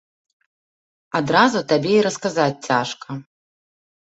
Адразу табе і расказаць цяжка.